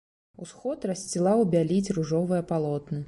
Усход рассцілаў бяліць ружовыя палотны.